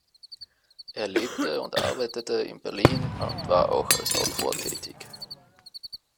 Er lebte und arbeitete in Berlin und war auch als Autor tätig.